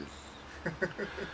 ハハハハッ。